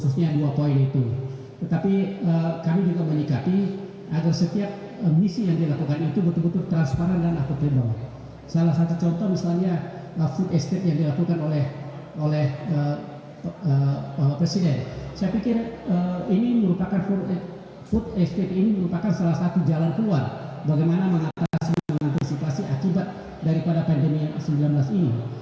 saya pikir ini merupakan salah satu jalan keluar bagaimana mengatasi mengontrol situasi akibat daripada pandemi covid sembilan belas ini